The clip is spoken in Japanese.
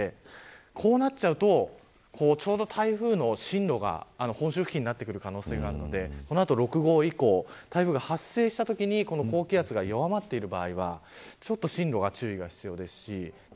こうなると、台風の進路が本州付近になる可能性があるのでこの後、台風６号以降が発生したときに高気圧が弱まってくる場合は進路に注意が必要です。